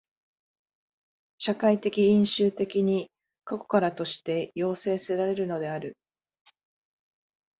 社会的因襲的に過去からとして要請せられるのである。